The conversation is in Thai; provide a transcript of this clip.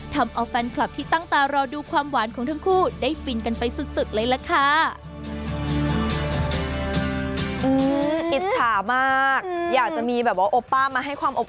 ทำเอาแฟนคลับที่ตั้งตารอดูความหวานของทั้งคู่ได้ฟินกันไปสุดเลยล่ะค่ะ